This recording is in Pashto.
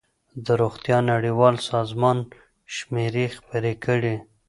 د روغتیا نړیوال سازمان شمېرې خپرې کړې.